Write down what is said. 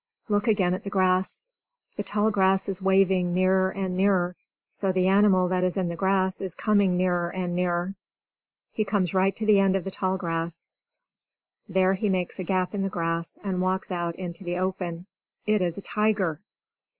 Look again at the grass! The tall grass is waving nearer and nearer. So, the animal that is in the grass is coming nearer and nearer. He comes right to the end of the tall grass. There he makes a gap in the grass, and walks out into the open. It is a tiger!